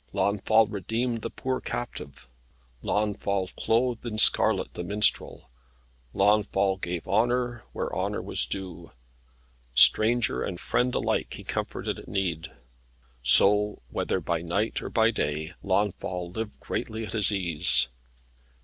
Launfal redeemed the poor captive. Launfal clothed in scarlet the minstrel. Launfal gave honour where honour was due. Stranger and friend alike he comforted at need. So, whether by night or by day, Launfal lived greatly at his ease.